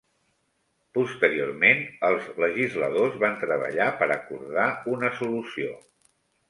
Posteriorment, els legisladors van treballar per acordar una solució.